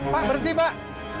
pak berhenti pak